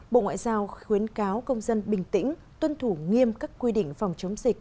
bộ ngoại giao khuyến cáo công dân bình tĩnh tuân thủ nghiêm các quy định phòng chống dịch